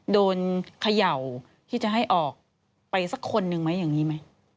โดนเขย่าที่จะให้ออกไปสักคนหนึ่งไหม